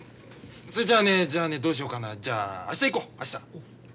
それじゃあねじゃあねどうしようかなじゃあ明日行こう明日。